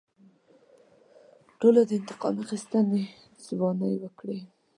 ټولو د انتقام اخیستنې ځوانۍ وکړې.